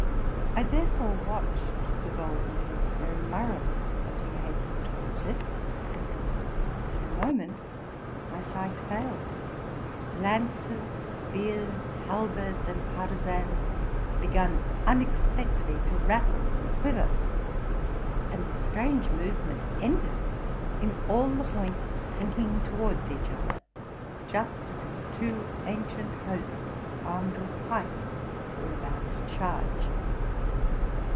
I therefore watched the golden fence very narrowly as we hastened towards it. But ina moment my sight failed : lances, spears, halberds, and partisans began unexpectedly to rattle and quiver; and the strange movement ended in all the points sinking towards each other just as if two ancient hosts, armed with pikes, were about to charge.